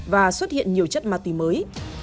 và xuất hiện nhiều chất ma túy mới